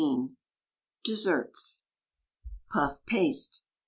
DESSERTS. PUFF PASTE.